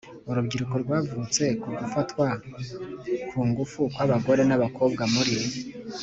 Urubyiruko rwavutse ku gufatwa ku ngufu kw’ abagore n’ abakobwa muri